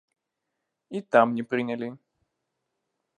І там не прынялі.